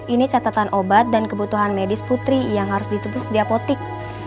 ini catatan obat dan kebutuhan medis putri yang harus ditebus di apotik